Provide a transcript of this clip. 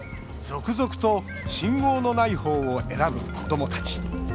続々と信号のないほうを選ぶ子どもたち。